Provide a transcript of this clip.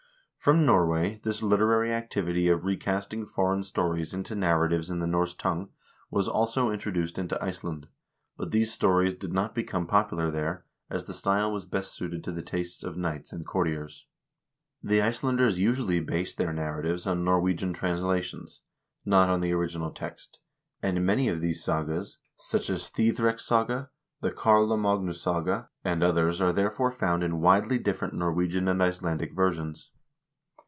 From Norway this literary activity of recasting foreign stories into narratives in the Norse tongue was also introduced into Iceland, but these stories did not become popular there, as the style was best suited to the tastes of knights and courtiers. The Icelanders usually based their narratives on Norwegian translations, not on the original text, and many of these sagas, such as the " pitSrekssaga, " the "Karlamagnussaga,"and others are, therefore, found in widely different Norwegian and Icelandic versions.